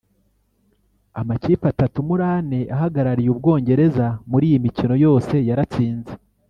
Amakipe atatu muri ane ahagarariye u Bwongereza muri iyi mikino yose yaratsinze